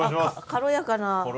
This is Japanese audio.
軽やかな。